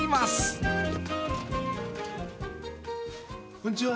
こんちは。